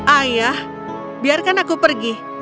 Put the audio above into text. ayah biarkan aku pergi